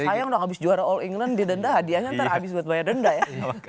sayang dong habis juara all england didenda hadiahnya nanti habis buat banyak denda ya